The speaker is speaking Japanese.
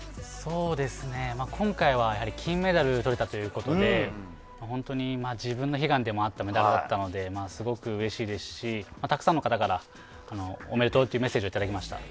今回は金メダルとれたということで本当に自分の悲願でもあったメダルだったのですごくうれしいですしたくさんの方からおめでとうというメッセージをいただきました。